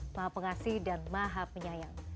maha pengasih dan maha penyayang